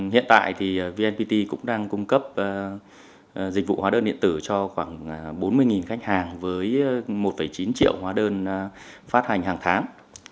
hiện tại thì vnpt cũng đang cung cấp dịch vụ hóa đơn điện tử cho khoảng bốn mươi khách hàng với một chín triệu hóa đơn phát hành hàng tháng